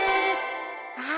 あ！